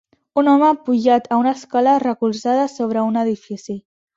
Un home pujat a una escala recolzada sobre un edifici.